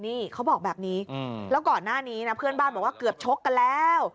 นี่เขาบอกแบบนี้แล้วก่อนหน้านี้นะเพื่อนบ้านบอกว่าเกือบชกกันแล้ว